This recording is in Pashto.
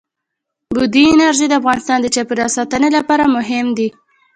بادي انرژي د افغانستان د چاپیریال ساتنې لپاره مهم دي.